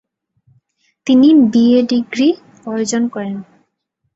তিনি BA degree অর্জন করেন।